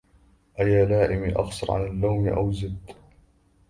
أيا لائمي أقصر عن اللوم أو زد